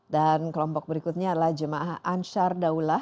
dan kelompok berikutnya adalah jemaah ansar daulah